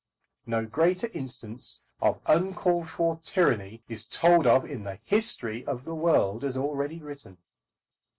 No greater instance of uncalled for tyranny is told of in the history of the world as already written.